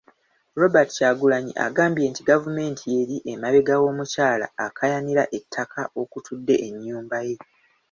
Robert Kyagulanyi agambye nti gavumenti y'eri emabega w'omukyala akaayanira ettaka okutudde ennyumba ye.